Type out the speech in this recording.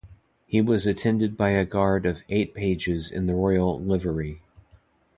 He was attended by a guard of eight pages in the royal livery.